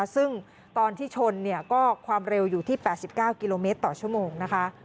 ซึ่งตอนที่ชนก็ความเร็วอยู่ที่๘๙กิโลเมตรต่อชั่วโมงนะคะ